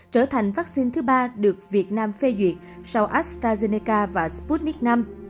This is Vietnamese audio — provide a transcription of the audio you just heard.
trở thành vắc xin thứ ba được việt nam phê duyệt sau astrazeneca và sputnik v